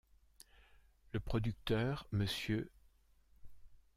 Le producteur, Mr.